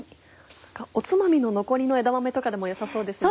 おつまみの残りの枝豆とかでもよさそうですね。